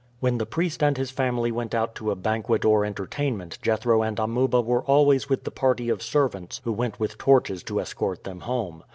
When the priest and his family went out to a banquet or entertainment Jethro and Amuba were always with the party of servants who went with torches to escort them home.